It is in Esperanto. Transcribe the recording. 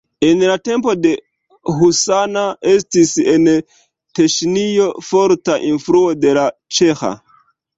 En la tempo de husana estis en Teŝinio forta influo de la ĉeĥa.